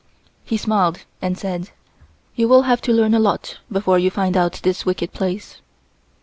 He smiled and said: "You will have to learn a lot before you find out this wicked place."